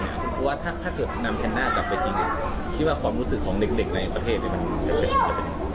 เพราะว่าถ้าเกิดนำแคนน่ากลับไปจริงคิดว่าความรู้สึกของเด็กในประเทศมันจะเป็น